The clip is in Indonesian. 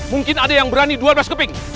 mungkin ada yang berani dua belas keping